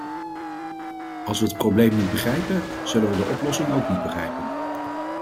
Als we het probleem niet begrijpen, zullen we de oplossing ook niet begrijpen.